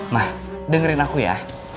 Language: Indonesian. ma dengerin aku ya